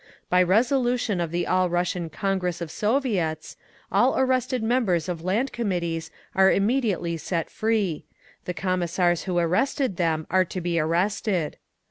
"By resolution of the All Russian Congress of Soviets, all arrested members of Land Committees are immediately set free. The Commissars who arrested them are to be arrested.